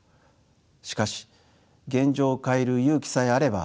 しかし現状を変える勇気さえあれば見え